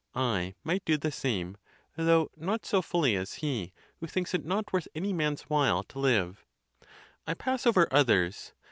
I might do the same, though not so fully as he, who thinks it not worth any man's while to live. I pass over others.